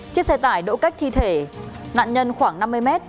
chiếc xe tải đỗ cách thi thể nạn nhân khoảng năm mươi m